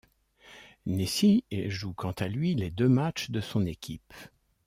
Nessi joue quant à lui les deux matchs de son équipe.